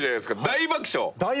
大爆笑。